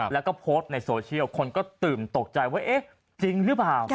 แล้วก็โพสต์ในโซเชียลคนก็ตื่นตกใจว่าเอ๊ะจริงหรือเปล่า